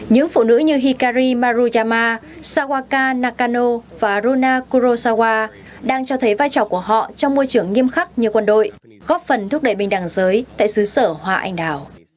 những phụ nữ như hikari maruyama sawaka nakano và runa kurosawa đang cho thấy vai trò của họ trong môi trường nghiêm khắc như quân đội góp phần thúc đẩy bình đẳng giới tại xứ sở hoa anh đào